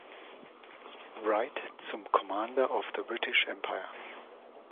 Wright zum Commander of the British Empire.